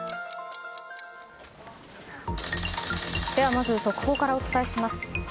まず速報からお伝えします。